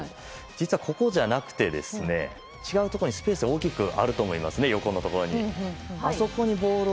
実は、ここじゃなくて違うところにスペースが大きくあると思うんですよね、横に。